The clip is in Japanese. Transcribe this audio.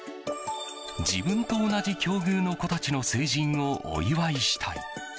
自分と同じ境遇の子たちの成人をお祝いしたい。